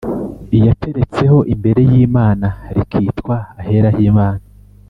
Iyateretseho imbere y’Imana rikitwa Ahera h’Imana